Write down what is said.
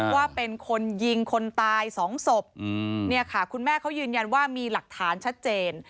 ว่าเป็นคนยิงคนตายสองศพเนี่ยค่ะคุณแม่เขายืนยันว่ามีหลักฐานชัดเจน